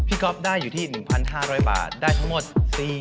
พี่กอล์ฟได้อยู่ที่๑๕๐๐บาทได้ทั้งหมด๔จาน